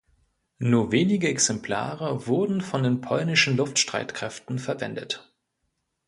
Nur wenige Exemplare wurden von den polnischen Luftstreitkräften verwendet.